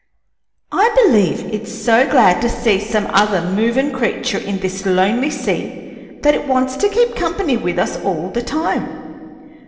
I believe it's so glad to see some other movin' creature in this lonely sea that it wants to keep company with us all the time.